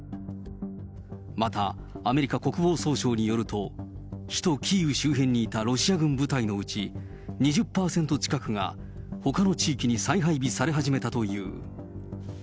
またアメリカ国防総省によると、首都キーウ周辺にいたロシア軍部隊のうち、２０％近くがほかの地域に再配備され始めたという。